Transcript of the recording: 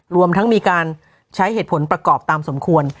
รวมทั้งมีการใช้เหตุผลประกอบตามสมควร